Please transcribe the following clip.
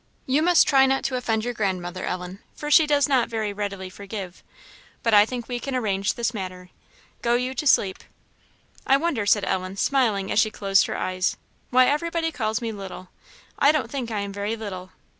"You must try not to offend your grandmother, Ellen, for she does not very readily forgive; but I think we can arrange this matter. Go you to sleep." "I wonder," said Ellen, smiling as she closed her eyes, "why everybody calls me 'little;' I don't think I am very little.